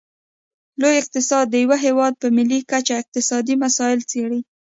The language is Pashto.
لوی اقتصاد د یو هیواد په ملي کچه اقتصادي مسایل څیړي